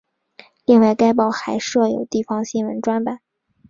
另外该报还设有地方新闻专版。